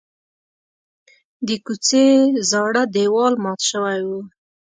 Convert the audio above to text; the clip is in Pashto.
د کوڅې زاړه دیوال مات شوی و.